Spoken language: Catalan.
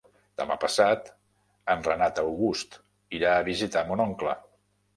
Demà passat en Renat August irà a visitar mon oncle.